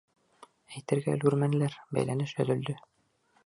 Әйтергә өлгөрмәнеләр, бәйләнеш өҙөлдө.